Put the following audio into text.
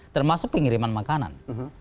termasuk pengiriman makanan